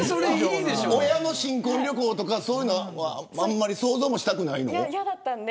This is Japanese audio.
親の新婚旅行とかそういうのはあんまり想像したくないの。